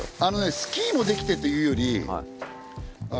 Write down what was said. スキーもできてというより。